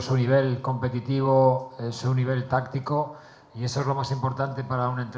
penampilan ini telah berkembang selama tujuh bulan